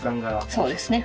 そうですね。